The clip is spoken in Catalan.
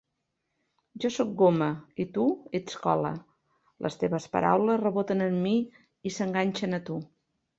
Jo sóc goma i tu ets cola. Les teves paraules reboten en mi i s'enganxen a tu.